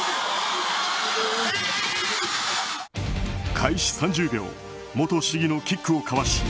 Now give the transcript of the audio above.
開始３０秒元市議のキックをかわし